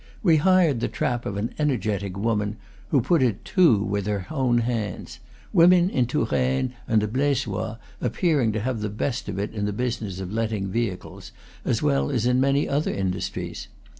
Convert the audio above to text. We hired the trap of an energetic woman who put it "to" with her own hands; women in Touraine and the B1esois appearing to have the best of it in the business of letting vehicles, as well as in many other industries.